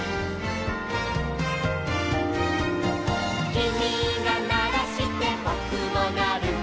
「きみがならしてぼくもなる」